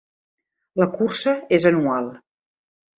La cursa és anual.